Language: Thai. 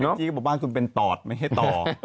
เมื่อกี้บ้านคุณเป็นตอดไม่ใช่ต่อ